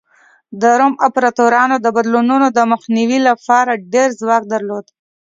د روم امپراتورانو د بدلونونو د مخنیوي لپاره ډېر ځواک درلود